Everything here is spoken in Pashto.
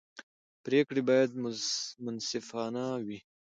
پرېکړې باید منصفانه وي